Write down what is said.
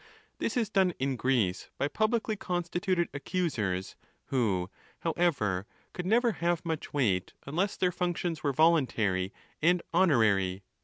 'This is done in Greece by publicly constituted accusers, who, however, could never have much weight unless their functions were voluntary and honorary.